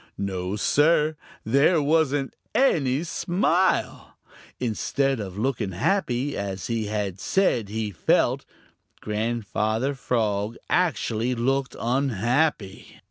No, Sir, there wasn't any smile. Instead of looking happy, as he said he felt, Grandfather Frog actually looked unhappy.